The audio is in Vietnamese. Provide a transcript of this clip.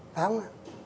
phải không ạ